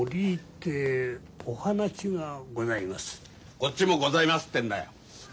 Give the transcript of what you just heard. こっちもございますってんだよ。